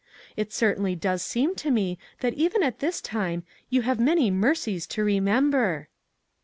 It certainly does seem to me that even at this time you have many mercies to remember."